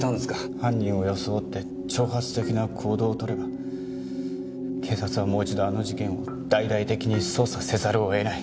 犯人を装って挑発的な行動をとれば警察はもう一度あの事件を大々的に捜査せざるをえない。